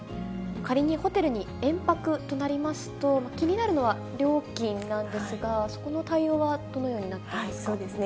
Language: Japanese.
仮にホテルに延泊となりますと、気になるのは料金なんですが、その対応はどのようになっていますか。